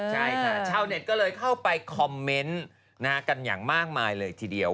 ใช่ค่ะชาวเน็ตก็เลยเข้าไปคอมเมนต์กันอย่างมากมายเลยทีเดียว